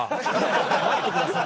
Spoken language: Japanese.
待ってください。